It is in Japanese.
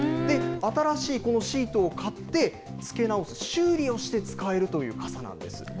新しいこのシートを買って、付け直す、修理をして使えるという傘なんです。